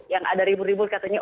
yang ada ribut ribut katanya